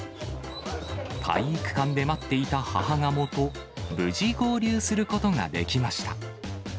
体育館で待っていた母ガモと、無事合流することができました。